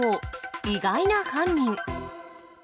意外な犯人。